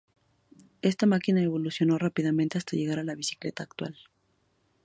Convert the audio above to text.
Esta máquina, evolucionó rápidamente hasta llegar a la bicicleta actual.